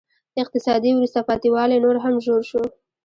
اقتصادي وروسته پاتې والی نور هم ژور شو.